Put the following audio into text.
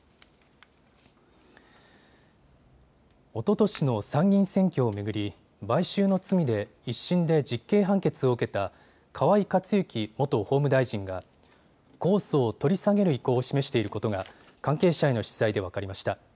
おととしの参議院選挙を巡り買収の罪で１審で実刑判決を受けた河井克行元法務大臣が控訴を取り下げる意向を示していることが関係者への取材で分かりました。